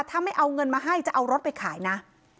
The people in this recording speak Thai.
ถ้าไม่เอาเงินมาให้จะเอารถไปขายนะ